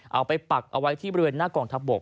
ปักเอาไว้ที่บริเวณหน้ากองทัพบก